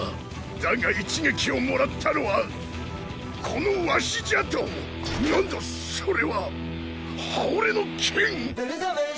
だが一撃をもらったのはこのわしじゃと⁉なんだそれは⁉刃折れの剣⁉